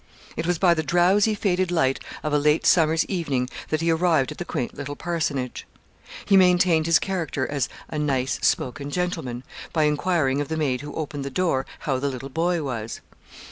It was by the drowsy faded light of a late summer's evening that he arrived at the quaint little parsonage. He maintained his character as 'a nice spoken gentleman,' by enquiring of the maid who opened the door how the little boy was.